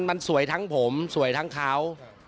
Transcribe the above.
มันสวยทั้งผมสวยทั้งเขา